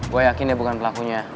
gue yakin dia bukan pelakunya